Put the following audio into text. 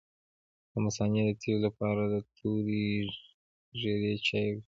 د مثانې د تیږې لپاره د تورې ږیرې چای وڅښئ